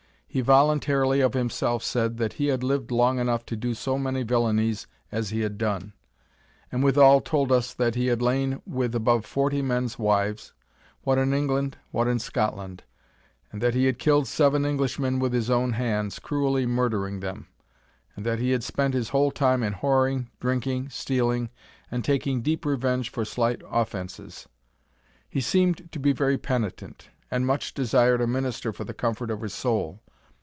He voluntarily of himself said, that he had lived long enough to do so many villanies as he had done; and withal told us, that he had lain with above forty men's wives, what in England what in Scotland; and that he had killed seven Englishmen with his own hands, cruelly murdering them; and that he had spent his whole time in whoring, drinking, stealing, and taking deep revenge for slight offences. He seemed to be very penitent, and much desired a minister for the comfort of his soul.